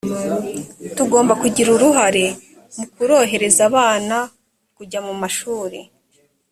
tugomba kugira uruhare mu kurohereza abana kujya mu mashuli